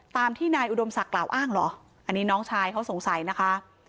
ตามที่นายอุดมศักดิ์กล่าวอ้างเหรออันนี้น้องชายเขาสงสัยนะคะ